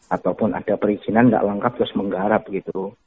ataupun ada perizinan nggak lengkap terus menggarap gitu